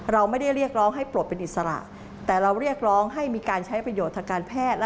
เราไม่ได้เรียกร้องให้ปลดเป็นอิสระแต่เราเรียกร้องให้มีการใช้ประโยชน์ทางการแพทย์